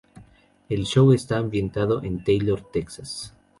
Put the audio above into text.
El show está ambientado en Taylor, Texas.